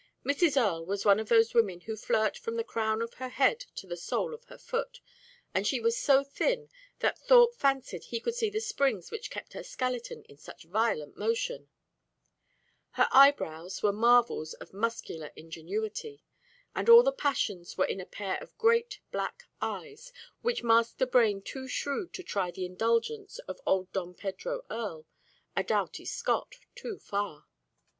Mrs. Earle was one of those women who flirt from the crown of her head to the sole of her foot, and she was so thin that Thorpe fancied he could see the springs which kept her skeleton in such violent motion. Her eyebrows were marvels of muscular ingenuity, and all the passions were in a pair of great black eyes which masked a brain too shrewd to try the indulgence of old Dom Pedro Earle, a doughty Scot, too far.